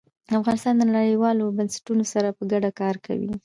افغانستان له نړیوالو بنسټونو سره په ګډه کار کوي.